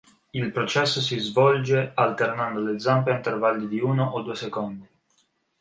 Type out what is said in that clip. Il processo si svolge alternando le zampe a intervalli di uno o due secondi.